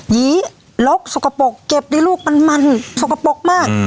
หีลกสกปรกเก็บได้ลูกมันมันสกปรกมาก